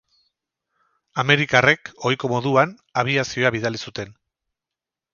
Amerikarrek ohiko moduan, abiazioa bidali zuten.